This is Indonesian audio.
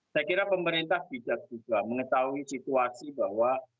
saya kira pemerintah bijak juga mengetahui situasi bahwa